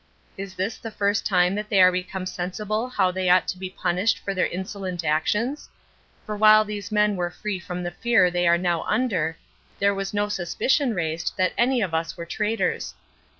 Is this the first time that they are become sensible how they ought to be punished for their insolent actions? For while these men were free from the fear they are now under, there was no suspicion raised that any of us were traitors.